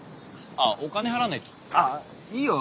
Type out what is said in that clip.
ああいいよ。